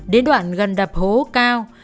đến đoạn gần đập hố cao